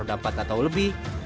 orang dapat atau lebih